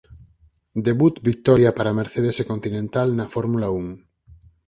Debut vitoria para Mercedes e Continental na Fórmula Un.